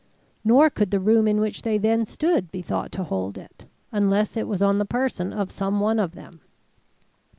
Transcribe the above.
Nor could the room in which they then stood be thought to hold it, unless it was on the person of some one of them.